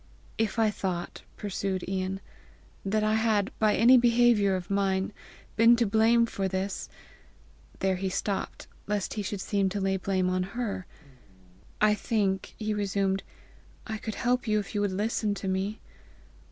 "If I thought," pursued Ian, "that I had, by any behaviour of mine, been to blame for this, " There he stopped, lest he should seem to lay blame on her. "I think," he resumed, "I could help you if you would listen to me.